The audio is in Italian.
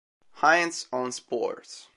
Heinz on Sports".